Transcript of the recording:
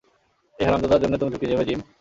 এই হারামজাদার জন্য তুমি ঝুঁকি নেবে, জিম?